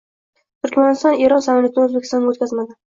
Turkmaniston Eron samolyotini O‘zbekistonga o‘tkazmadi